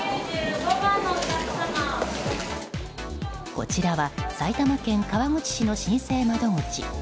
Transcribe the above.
こちらは埼玉県川口市の申請窓口。